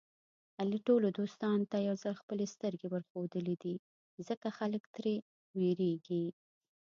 علي ټولو دوستانو ته یوځل خپلې سترګې ورښودلې دي. ځکه خلک تر وېرېږي.